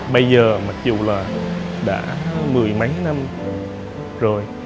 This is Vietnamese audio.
bây giờ mặc dù là đã mười mấy năm rồi